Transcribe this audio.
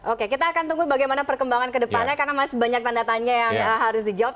oke kita akan tunggu bagaimana perkembangan kedepannya karena masih banyak tanda tanya yang harus dijawab